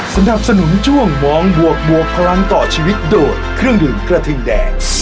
สนับสนุนช่วงมองบวกบวกพลังต่อชีวิตโดยเครื่องดื่มกระทิงแดง